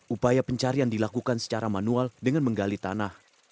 upaya pencarian dilakukan secara manual dengan menggali tanah